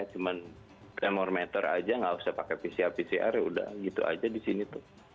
cuma tremor meter aja nggak usah pakai pcr pcr ya udah gitu aja di sini tuh